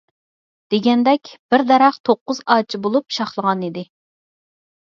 دېگەندەك، بىر دەرەخ توققۇز ئاچا بولۇپ شاخلىغانىدى.